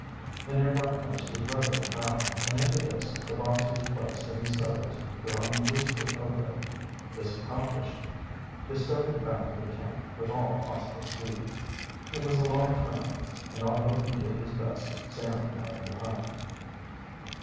A nearby place was readily found, and into this the box was placed and the snow was thrown loosely over it. This accomplished, they started back for the camp with all possible speed. It was a long tramp, and although he did his best Sam lagged behind.